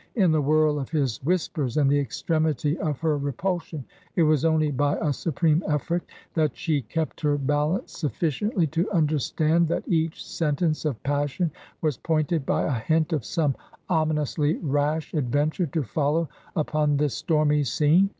In the whirl of his whispers and the extremity of her repulsion, it was only by a supreme effort that she kept her balance sufficiently to understand that each sentence of passion was pointed by a hint of some ominously rash adventure to follow upon this stormy scene.